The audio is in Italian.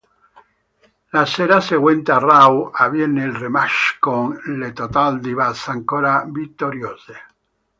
La sera seguente a Raw, avviene il rematch con le Total Divas ancora vittoriose.